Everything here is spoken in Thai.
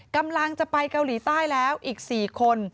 กำลังจะไปเกาหลีใต้แล้วอีก๔คน